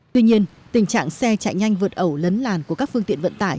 tuy nhiên tình trạng xe chạy nhanh vượt ẩu lấn làn của các phương tiện vận tải